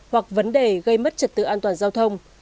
hoặc vấn đề gây mất trật tự an toàn giao thông